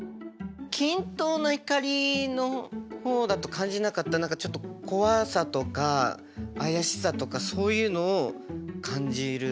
均等な光の方だと感じなかった何かちょっと怖さとかあやしさとかそういうのを感じる。